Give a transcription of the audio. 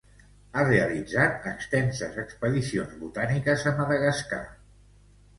Ha realitzat extenses expedicions botàniques a Madagascar.